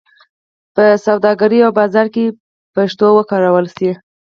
په سوداګرۍ او بازار کې دې پښتو وکارول شي.